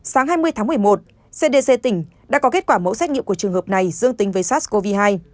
sáng hai mươi tháng một mươi một cdc tỉnh đã có kết quả mẫu xét nghiệm của trường hợp này dương tính với sars cov hai